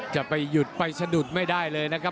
จะไปหยุดไปสะดุดไม่ได้เลยนะครับ